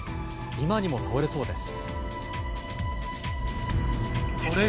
今にも倒れそうです。